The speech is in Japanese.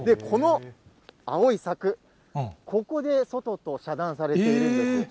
この青い柵、ここで外と遮断されているんです。